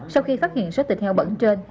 sau khi phát hiện suất thịt heo bẩn trên